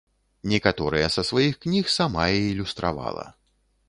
Некаторыя са сваіх кніг сама і ілюстравала.